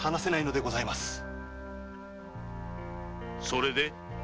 それで。